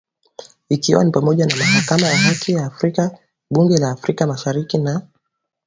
ikiwa ni pamoja na Mahakama ya Haki ya Afrika Bunge la Afrika Mashariki na